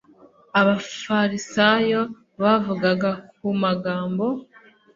abafarisayo bavugaga ku magambo